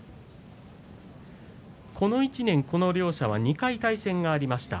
この１年この両者は２回対戦がありました。